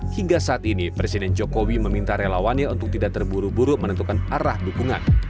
hingga saat ini presiden jokowi meminta relawannya untuk tidak terburu buru menentukan arah dukungan